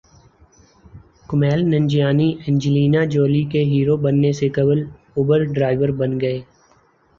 Kumail Nanjiani Angelina Jolie کے hero بننے سے قبل اوبر ڈرائیور بن گئے